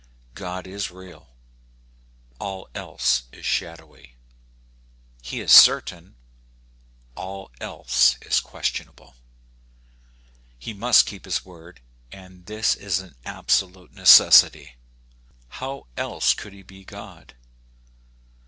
God is real: all else is shadowy. He is certain: all else is questionable. He must keep his word, and this is an absolute necessity : how else could he be God?